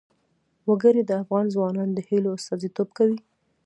وګړي د افغان ځوانانو د هیلو استازیتوب کوي.